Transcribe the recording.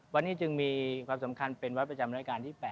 วันนี้จึงมีความสำคัญเป็นวัดประจำรายการที่๘